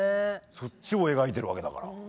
そっちを描いてるわけだから。